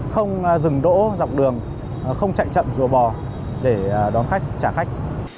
không dừng đỗ dọc đường không chạy chậm rùa bò để đón khách trả khách